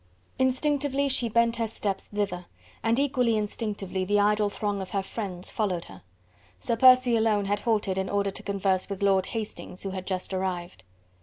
Instinctively she bent her steps thither, and equally instinctively the idle throng of her friends followed her. Sir Percy alone had halted in order to converse with Lord Hastings, who had just arrived.